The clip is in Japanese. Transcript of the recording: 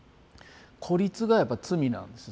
孤立がやっぱり罪なんです